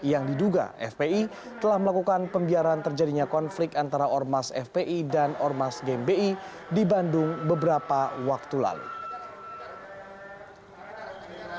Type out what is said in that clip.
yang diduga fpi telah melakukan pembiaran terjadinya konflik antara ormas fpi dan ormas gmbi di bandung beberapa waktu lalu